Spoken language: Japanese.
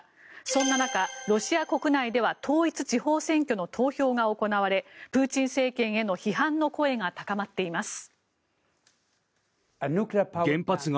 そんな中、ロシア国内では統一地方選挙の投票が行われプーチン政権への批判の声が高まっています。